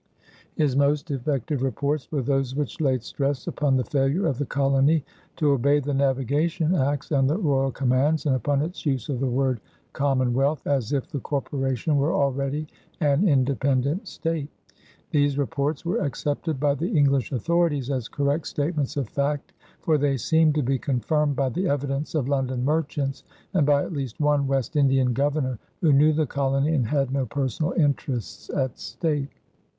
His most effective reports were those which laid stress upon the failure of the colony to obey the navigation acts and the royal commands, and upon its use of the word "Commonwealth," as if the corporation were already an independent state. These reports were accepted by the English authorities as correct statements of fact, for they seemed to be confirmed by the evidence of London merchants and by at least one West Indian governor, who knew the colony and had no personal interests at stake.